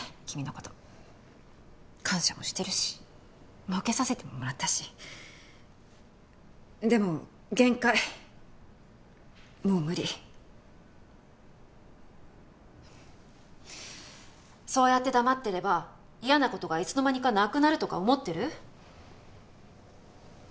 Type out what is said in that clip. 君のこと感謝もしてるしもうけさせてももらったしでも限界もう無理そうやって黙ってれば嫌なことがいつの間にかなくなるとか思ってる？